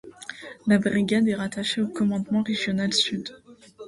La brigade est rattachée au commandement régional sud.